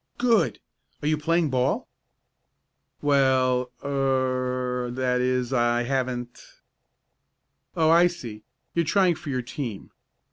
"Good! Are you playing ball?" "Well er I that is I haven't " "Oh, I see. You're trying for your team.